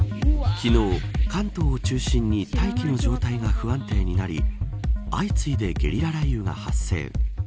昨日、関東を中心に大気の状態が不安定になり相次いでゲリラ雷雨が発生。